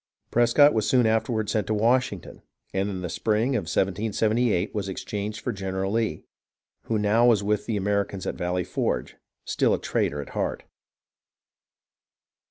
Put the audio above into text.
Prescott was soon afterward sent to Washington, and in the spring of 1778 was exchanged for General Lee, who now was with the Americans at Valley Forge, still a traitor at heart.